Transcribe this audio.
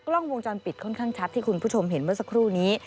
กล้องวงจรปิดค่อนข้างชัดที่คุณผู้ชมเห็นเมื่อสักครู่นี้